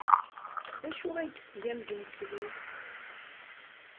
D acu ay d-tgam d imekli?